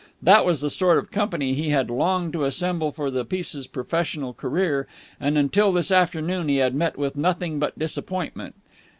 That was the sort of company he had longed to assemble for the piece's professional career, and until this afternoon he had met with nothing but disappointment.